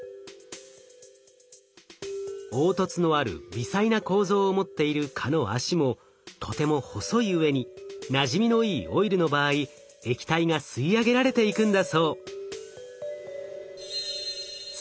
凹凸のある微細な構造を持っている蚊の脚もとても細いうえになじみのいいオイルの場合液体が吸い上げられていくんだそう。